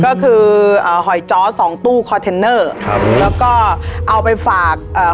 ก็คืออ่าหอยจ้อสองตู้คอนเทนเนอร์ครับแล้วก็เอาไปฝากเอ่อ